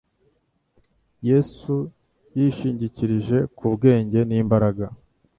Yesu yishingikirije ku bwenge n’imbaraga